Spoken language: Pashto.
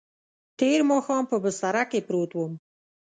تېر ماښام په بستره کې پروت وم.